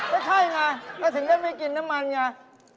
ไม่ใช่น่ะแล้วถึงได้ไม่กินน้ำมันไง